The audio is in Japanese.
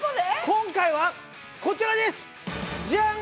今回はこちらです！じゃん！